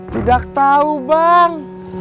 tidak tau bang